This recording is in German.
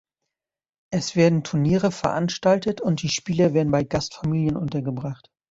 Es werden Turniere veranstaltet und die Spieler werden bei Gastfamilien untergebracht.